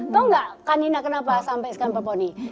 tau gak kan nina kenapa sampai sekarang berponi